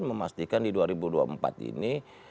memastikan di dua ribu dua puluh empat ini